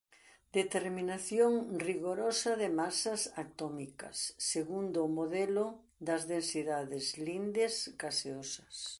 Determinación rigorosa de masas atómicas segundo o modelo das densidades lindes gasosas.